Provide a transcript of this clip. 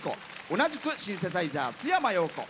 同じくシンセサイザー須山陽子。